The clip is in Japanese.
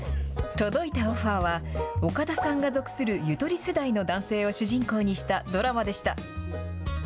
届いたオファーは岡田さんが属するゆとり世代の男性を主人公にしたドラマでした。